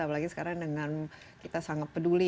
apalagi sekarang dengan kita sangat peduli